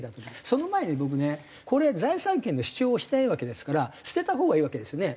その前に僕ねこれ財産権の主張をしてないわけですから捨てた方がいいわけですよね。